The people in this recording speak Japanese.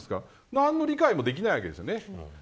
何の理解もできないわけですよね。